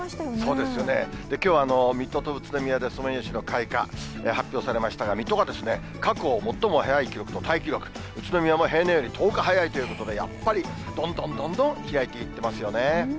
そうですよね、きょうは水戸と宇都宮でソメイヨシノ開花、発表されましたが、水戸は過去最も早い記録とタイ記録、宇都宮も平年より１０日早いということで、やっぱり、どんどんどんどん開いていってますよね。